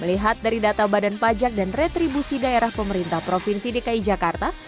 melihat dari data badan pajak dan retribusi daerah pemerintah provinsi dki jakarta